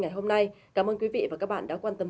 ngày hôm nay cảm ơn quý vị và các bạn đã quan tâm